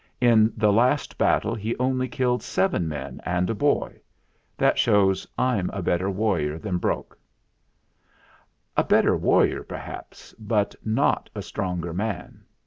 In the last battle he only killed seven men and a boy. That shows I'm a better warrior than Brok." "A better warrior, perhaps; but not a stronger man.